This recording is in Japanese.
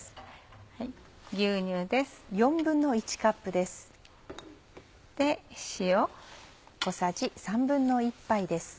牛乳です。